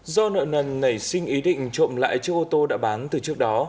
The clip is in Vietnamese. do nợ nần nảy sinh ý định trộm lại chiếc ô tô đã bán từ trước đó